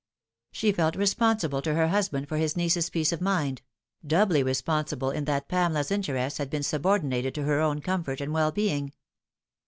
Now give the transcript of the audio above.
She felt responsible to her husband for his niece's peace of mind ; doubly responsible in that Pamela's interest had been subordin ated to her own comfort and well being.